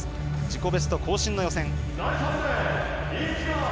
自己ベスト更新の予選。